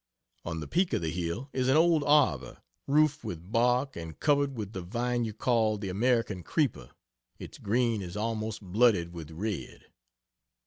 On the peak of the hill is an old arbor roofed with bark and covered with the vine you call the "American Creeper" its green is almost bloodied with red.